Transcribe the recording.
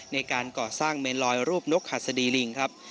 ในการก่อสร้างเมนลอยรูปนกหัสดีลิงครับ